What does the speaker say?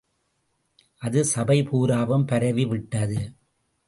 அது சபை பூராவும் பரவி விட்டது.